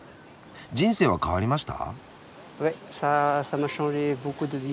人生は変わりました？